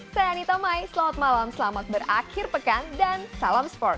saya anita mai selamat malam selamat berakhir pekan dan salam sports